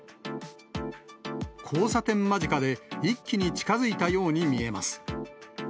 交差点間近で、一気に近づいたように見えます。